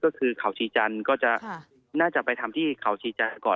ก็คือเขาชีจันทร์ก็จะน่าจะไปทำที่เขาชีจันทร์ก่อน